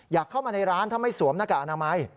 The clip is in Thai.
เข้ามาในร้านถ้าไม่สวมหน้ากากอนามัย